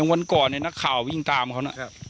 ในวันก่อนในหน้าข่าววิ่งตามเขาน่ะ